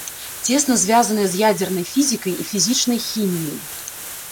Цесна звязаная з ядзернай фізікай і фізічнай хіміяй.